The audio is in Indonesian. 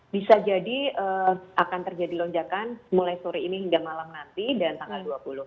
bisa jadi akan terjadi lonjakan mulai sore ini hingga malam nanti dan tanggal dua puluh